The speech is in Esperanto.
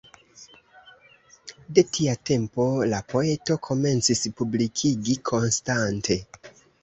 De tia tempo la poeto komencis publikigi konstante.